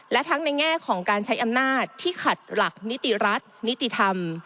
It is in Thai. และทั้งในแง่ของการใช้อำนาจที่ขัดหลักนิติรัฐนิติธรรม